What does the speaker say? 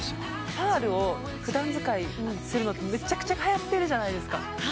パールを普段使いするのってめちゃくちゃはやってるじゃないですか